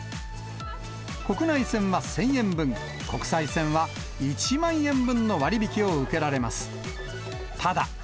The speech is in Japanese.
国内線は１０００円分、国際線は１万円分の割引を受けられます。